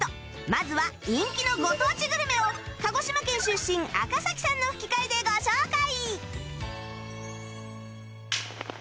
まずは人気のご当地グルメを鹿児島県出身赤さんの吹き替えでご紹介